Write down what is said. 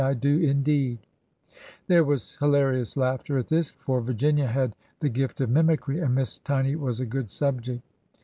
I do, indeed !'" There was hilarious laughter at this, for Virginia had the gift of mimicry, and Miss Tiny was a good subject.